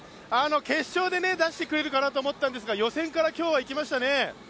決勝で出してくれるかなと思ったんですが予選から今日はいきましたね。